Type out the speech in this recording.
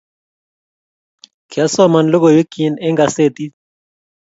kiasoman lokoiweknyin an gasetii